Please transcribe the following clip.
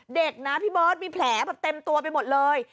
เด็กนะพี่เบิร์ตมีแผลแบบเต็มตัวไปหมดเลย